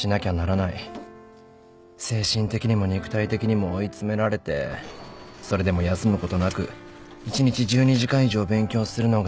精神的にも肉体的にも追い詰められてそれでも休むことなく１日１２時間以上勉強するのが当たり前。